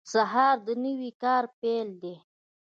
سهار د نوي کار پیل دی.